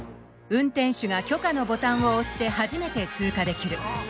運転手が「許可」のボタンを押して初めて通過できる。